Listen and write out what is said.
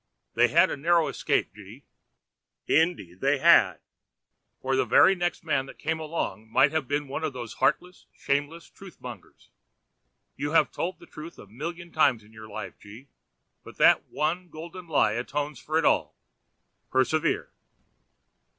'They had a narrow escape, G— .' 'Indeed they had.' 'For the very next man that came along might have been one of these heartless and shameless truth mongers. You have told the truth a million times in your life, G— , but that one golden lie atones for it all. Persevere.'